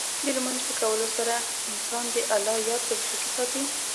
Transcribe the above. د لمونځ په کولو سره، انسان د الله یاد په زړه کې ساتي.